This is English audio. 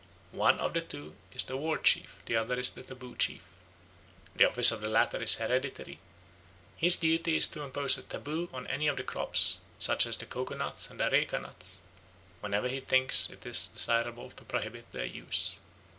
One of the two is the war chief, the other is the taboo chief. The office of the latter is hereditary; his duty is to impose a taboo on any of the crops, such as the coco nuts and areca nuts, whenever he thinks it desirable to prohibit their use.